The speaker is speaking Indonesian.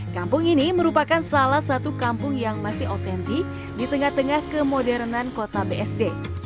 kampung ini merupakan salah satu kampung yang masih otentik di tengah tengah kemodernan kota bsd